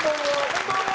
こんばんは！